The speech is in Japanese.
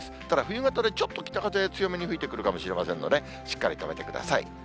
ただ冬型でちょっと北風、強めに吹いてくるかもしれませんので、しっかり留めてください。